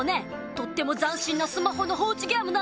とっても斬新なスマホの放置ゲームなんだＹＯ！